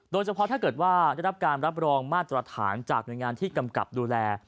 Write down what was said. โดยเฉพาะถ้าเกิดว่าได้รับการรับรองมาตรฐานจากหน่วยงานที่กำกับดูแล